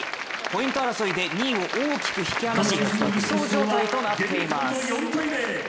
ポイント争いで２位を大きく引き離し、独走状態となっています。